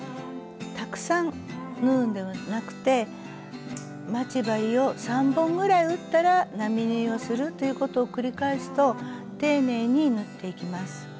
たくさん縫うんではなくて待ち針を３本ぐらい打ったら並縫いをするということを繰り返すと丁寧に縫っていきます。